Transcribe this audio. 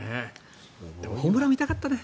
でもホームラン見たかったな。